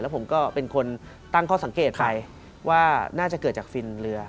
ผมก็เป็นคนตั้งข้อสังเกตไปว่าน่าจะเกิดจากฟินเรือ